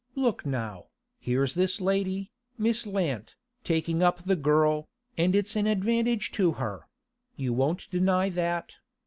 Look now, here's this lady, Miss Lant, taking up the girl, and it's an advantage to her; you won't deny that.